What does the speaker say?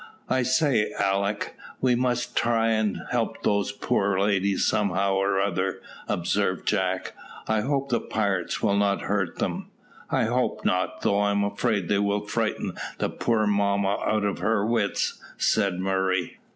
"I say, Alick, we must try and help those poor ladies somehow or other," observed Jack; "I hope the pirates will not hurt them." "I hope not, though I am afraid they will frighten the poor mamma out of her wits," said Murray.